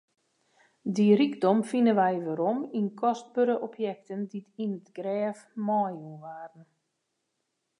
Dy rykdom fine wy werom yn kostbere objekten dy't yn it grêf meijûn waarden.